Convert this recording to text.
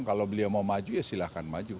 kalau beliau mau maju ya silahkan maju